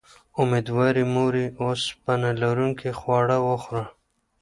اميدوارې مورې، اوسپنه لرونکي خواړه وخوره